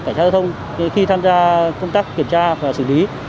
cảnh sát giao thông khi tham gia công tác kiểm tra và xử lý